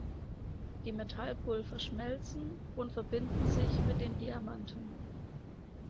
Die Metallpulver schmelzen und verbinden sich mit den Diamanten.